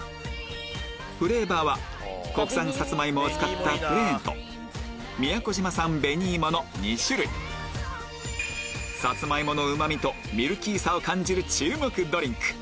フレーバーは国産サツマイモを使ったプレーンと宮古島産紅いもの２種類サツマイモのうま味とミルキーさを感じる注目ドリンク